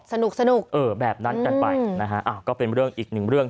โตบอกญาติญาติเตรียมสละแล้ว